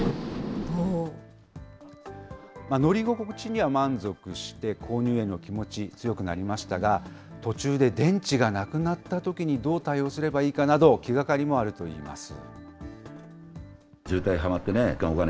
乗り心地には満足して、購入への気持ち、強くなりましたが、途中で電池がなくなったときにどう対応すればいいかなど、気がかりもあるといいます。